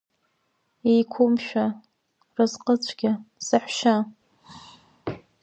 Еиқәымшәа, разҟыцәгьа, саҳәшьа!